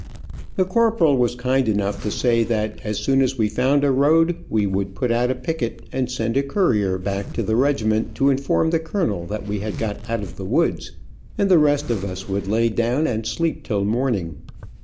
The corporal was kind enough to say that as soon as we found a road we would put out a picket, and send a courier back to the regiment to inform the colonel that we had got out of the woods, and the rest of us would lay down and sleep till morning.